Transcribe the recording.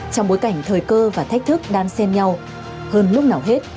trong bối cảnh thời cơ và thách thức đang xen nhau hơn lúc nào hết